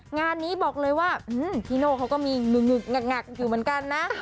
งานนี้บอกเลยว่าพี่โน่เขาก็มีหงึกงักอยู่เหมือนกันนะ